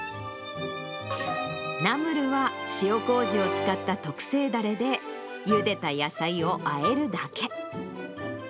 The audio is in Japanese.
ナムルは塩こうじを使った特製だれでゆでた野菜を和えるだけ。